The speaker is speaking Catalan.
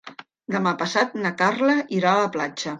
Demà passat na Carla irà a la platja.